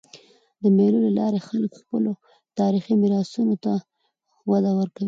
د مېلو له لاري خلک خپلو تاریخي میراثونو ته وده ورکوي.